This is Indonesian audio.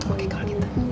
oke kalau gitu